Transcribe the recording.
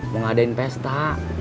mau ngadain pesta